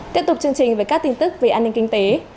tiếp tục chương trình với các tin tức về an ninh kinh tế